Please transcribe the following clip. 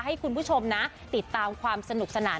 ให้คุณผู้ชมนะติดตามความสนุกสนาน